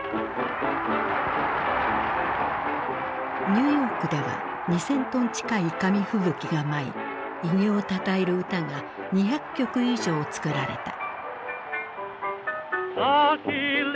ニューヨークでは２，０００トン近い紙吹雪が舞い偉業をたたえる歌が２００曲以上作られた。